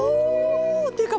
っていうか